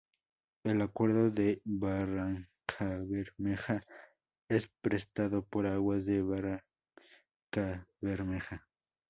El acueducto de Barrancabermeja es prestado por Aguas De Barrancabermeja.